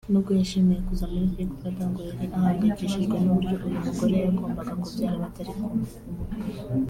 nubwo yishimiye kuza muri Big Brother ngo yari ahangayikishijwe n’uburyo uyu mugore yagombaga kubyara batari kumwe